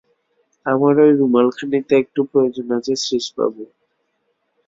আমার ঐ রুমালখানিতে একটু প্রয়োজন আছে শ্রীশবাবু!